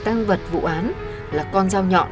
tăng vật vụ án là con dao nhọn